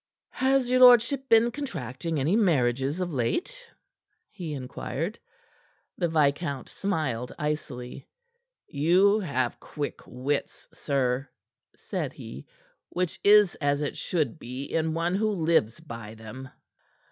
"Has your lordship been contracting any marriages of late?" he inquired. The viscount smiled icily. "You have quick wits, sir," said he, "which is as it should be in one who lives by them."